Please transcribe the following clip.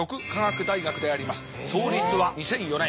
創立は２００４年。